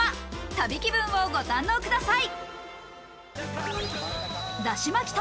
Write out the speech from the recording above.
旅気分をご堪能ください。